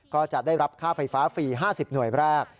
ก็จะได้รับค่าไฟฟ้าฟรี๕๐หน่วยแรก